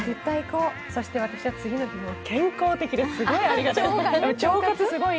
そして私は次の日も健康的ですごいありがたい。